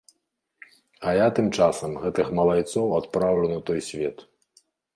А я тым часам гэтых малайцоў адпраўлю на той свет.